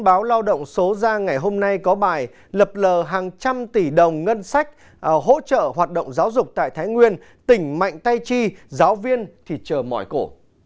báo lao động số ra ngày hôm nay có bài lập lờ hàng trăm tỷ đồng ngân sách hỗ trợ hoạt động giáo dục tại thái nguyên tỉnh mạnh tay chi giáo viên thì chờ mỏi cổ